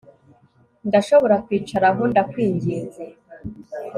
Ndashobora kwicara aho ndakwinginze